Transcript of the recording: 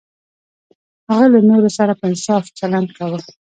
هغه له نورو سره په انصاف چلند کاوه.